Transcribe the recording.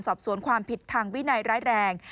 สอบสวนความผิดทางวินัยร้ายแรง